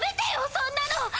そんなの！